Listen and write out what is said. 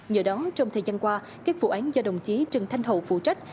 do đó trong thời gian qua các vụ án do đồng chí trần thanh hậu phụ trách